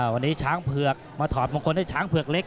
วันนี้ช้างเผือกมาถอดมงคลให้ช้างเผือกเล็ก